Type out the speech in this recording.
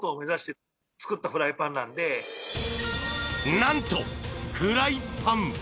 何と、フライパン。